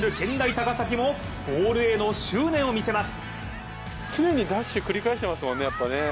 高崎もボールへの執念を見せます。